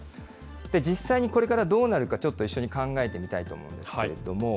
実際にこれからどうなるか、ちょっと一緒に考えてみたいと思うんですけれども。